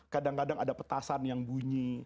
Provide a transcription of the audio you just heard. kadang kadang ada petasan yang bunyi